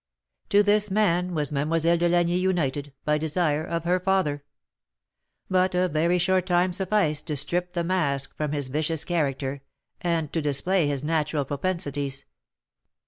To this man was Mlle. de Lagny united, by desire of her father; but a very short time sufficed to strip the mask from his vicious character, and to display his natural propensities.